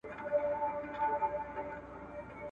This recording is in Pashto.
د جنګ لور ته یې آس هی کړ نازولی !.